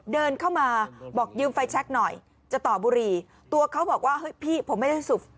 เดินเข้ามาบอกยืมไฟแช็คหน่อยจะต่อบุหรี่ตัวเขาบอกว่าเฮ้ยพี่ผมไม่ได้สูบ